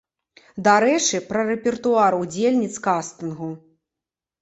Дарэчы, пра рэпертуар удзельніц кастынгу.